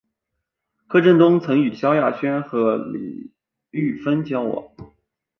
柯震东曾与萧亚轩和李毓芬交往。